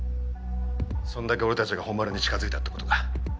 そんだけ俺たちが本丸に近づいたってことだ。